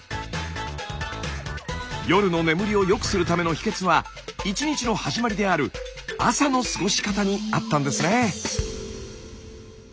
夜の眠りをよくするための秘けつは一日の始まりである朝の過ごし方にあったんですね。